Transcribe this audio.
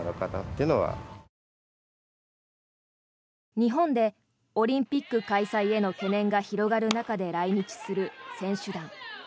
日本でオリンピック開催への懸念が広がる中で来日する選手団。